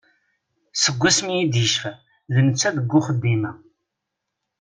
Seg wasmi i d-yecfa d netta deg uxeddim-a.